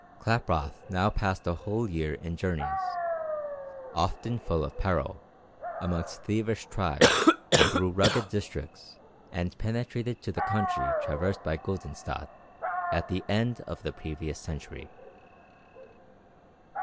Klaproth now passed a whole year in journeys, often full of peril, amongst thievish tribes, through rugged districts, and penetrated to the country traversed by Guldenstædt at the end of the previous century.